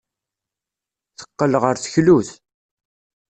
Teqqel ɣer teklut.